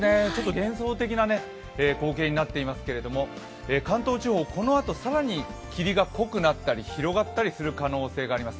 幻想的な光景になっていますけれども関東地方、このあと更に霧が濃くなったり広がったりする可能性があります。